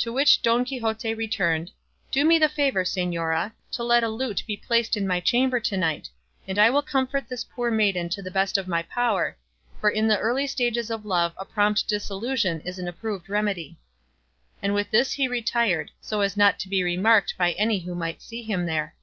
To which Don Quixote returned, "Do me the favour, señora, to let a lute be placed in my chamber to night; and I will comfort this poor maiden to the best of my power; for in the early stages of love a prompt disillusion is an approved remedy;" and with this he retired, so as not to be remarked by any who might see him there.